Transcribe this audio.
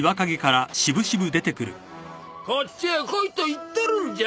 こっちへ来いと言っとるんじゃ！